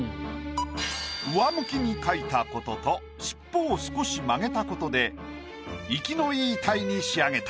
上向きに描いたことと尻尾を少し曲げたことで活きのいい鯛に仕上げた。